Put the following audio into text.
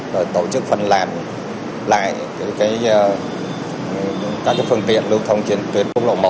và tổ chức phần làm lại các cái phương tiện lưu thông trên tuyến quốc lộ một